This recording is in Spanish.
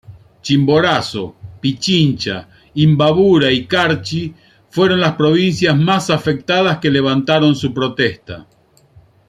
Chimborazo, Pichincha, Imbabura y Carchi, fueron las provincias más afectadas que levantaron su protesta.